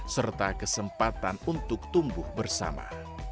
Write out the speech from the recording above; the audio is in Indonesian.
serta kesempatan untuk tumbuh bersama